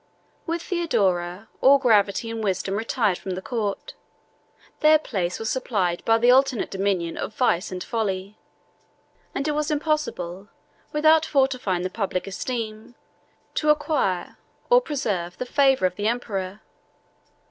With Theodora, all gravity and wisdom retired from the court; their place was supplied by the alternate dominion of vice and folly; and it was impossible, without forfeiting the public esteem, to acquire or preserve the favor of the emperor.